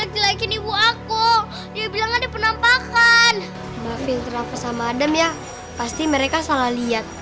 dia bilang ada penampakan pasti mereka salah lihat